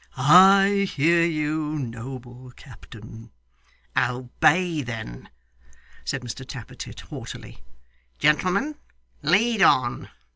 'I hear you, noble captain.' 'Obey then,' said Mr Tappertit haughtily. 'Gentlemen, lead on!